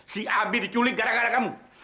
si ab diculik gara gara kamu